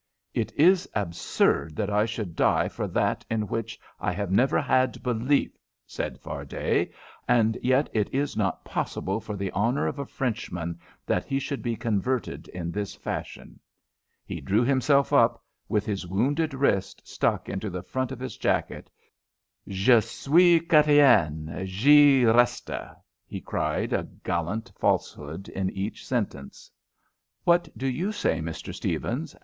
"It is absurd that I should die for that in which I have never had belief," said Fardet. "And yet it is not possible for the honour of a Frenchman that he should be converted in this fashion." He drew himself up, with his wounded wrist stuck into the front of his jacket, "Je suis Chrétien. J'y reste," he cried, a gallant falsehood in each sentence. "What do you say, Mr. Stephens?"